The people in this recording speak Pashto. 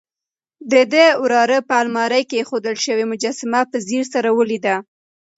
د ده وراره په المارۍ کې اېښودل شوې مجسمه په ځیر سره ولیده.